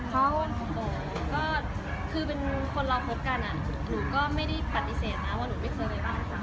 เขาก็คือเป็นคนเราพบกันอะหนูก็ไม่ได้ปฏิเสธนะว่าหนูไม่เคยไปบ้านค่ะ